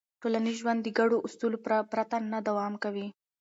ټولنیز ژوند د ګډو اصولو پرته نه دوام کوي.